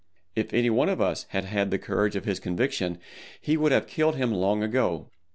If anyone of us had had the courage of his conviction he would have killed him long ago.